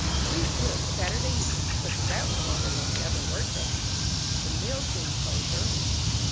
We took Saturday evening, because that was longer than the other workday evenings, the mills being closed earlier.